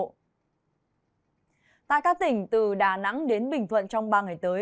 tại các tỉnh từ đà nẵng đến bình thuận trong ba ngày tới